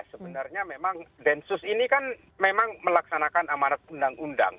sebenarnya memang densus ini kan memang melaksanakan amarat undang undang